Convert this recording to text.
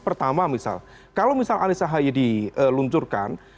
pertama misal kalau misal anissa ahy diluncurkan